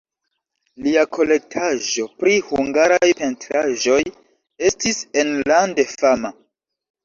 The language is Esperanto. Lia kolektaĵo pri hungaraj pentraĵoj estis enlande fama.